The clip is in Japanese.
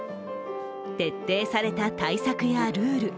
徹底された対策やルール。